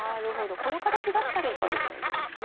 この形だったらいけるって感じなんですね。